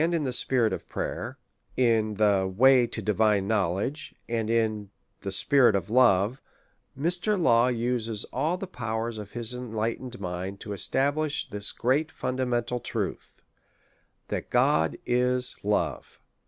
in the Spirit of Prayer, in the Way to Divine Knowledge, and in the Spirit of Love, Mr. Law uses all the powers of his enlightened mind to establish this great fundamental truth — that God is love.